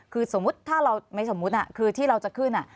คือสมมุติถ้าเราไม่สมมุติคือที่เราจะขึ้น